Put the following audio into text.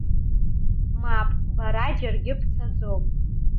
Мап, бара џьаргьы бцаӡом.